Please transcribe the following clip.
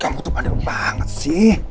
kamu tuh ada banget sih